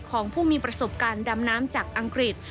ของผู้มีประสบการณ์ดำน้ำจากอังกฤษ